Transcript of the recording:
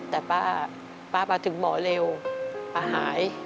แต่ป้ามาถึงหมอเร็วป้าหาย